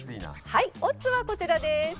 はいオッズはこちらです。